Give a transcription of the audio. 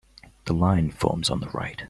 The line forms on the right.